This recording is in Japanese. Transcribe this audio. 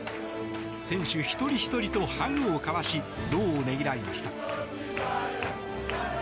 選手一人ひとりとハグを交わし労をねぎらいました。